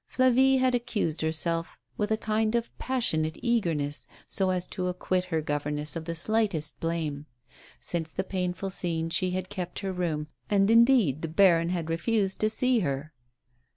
Flavie had accused lierself with a kind of passionate eagerness, so as to acquit her governess of the slightest blame. Since the painful scene she had kept her room, and, indeed, the baron had refused to see her.